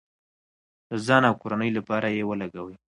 د ځان او کورنۍ لپاره یې ولګوئ.